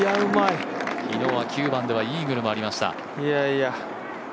昨日は９番ではイーグルもありました。